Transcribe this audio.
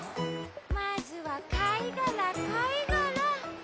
まずはかいがらかいがら。